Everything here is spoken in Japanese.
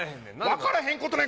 分からへんことない。